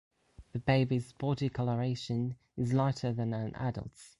The baby's body colouration is lighter than an adult's.